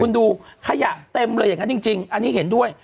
คุณดูขยะเต็มเลยอย่างนั้นจริงอันนี้เห็นด้วย